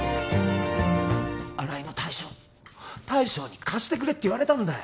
新井の大将大将に貸してくれって言われたんだよ